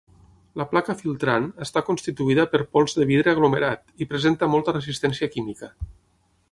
La placa filtrant està constituïda per pols de vidre aglomerat i presenta molta resistència química.